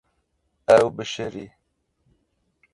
Ew bişirî.